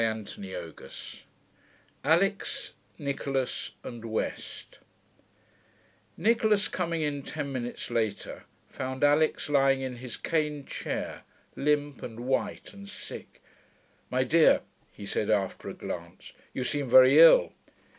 CHAPTER XIII ALIX, NICHOLAS, AND WEST 1 Nicholas, coming in ten minutes later, found Alix lying in his cane chair, limp and white and sick. 'My dear,' he said after a glance, 'you seem very ill.